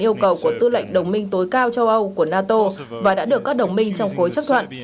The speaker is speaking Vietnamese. yêu cầu của tư lệnh đồng minh tối cao châu âu của nato và đã được các đồng minh trong khối chấp thuận